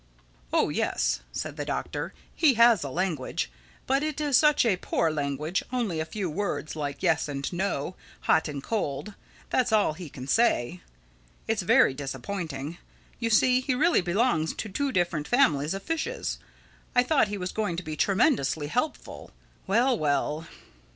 "Oh yes," said the Doctor, "he has a language. But it is such a poor language—only a few words, like 'yes' and 'no'—'hot' and 'cold.' That's all he can say. It's very disappointing. You see he really belongs to two different families of fishes. I thought he was going to be tremendously helpful—Well, well!"